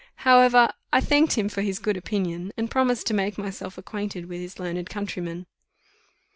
However, I thanked him for his good opinion, and promised to make myself acquainted with his learned countryman.